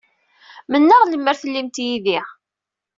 Mennaɣ lemmer tellim yid-i.